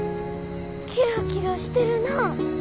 キラキラしてるな。